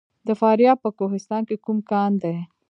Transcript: د فاریاب په کوهستان کې کوم کان دی؟